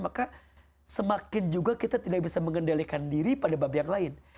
maka semakin juga kita tidak bisa mengendalikan diri pada bab yang lain